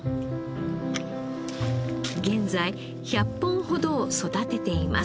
現在１００本ほどを育てています。